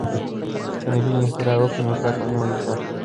که نجونې اختراع وکړي نو کار به نه وي سخت.